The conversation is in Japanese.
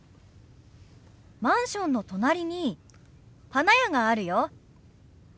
マンションの隣に花屋があるよ。